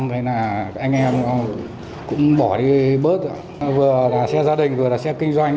nên là anh em cũng bỏ đi bớt vừa là xe gia đình vừa là xe kinh doanh